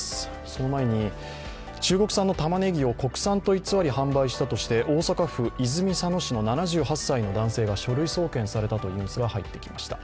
その前に、中国産のたまねぎを国産と偽り販売したとして大阪府泉佐野市の７８歳の男性が書類送検されたというニュースが入ってきました。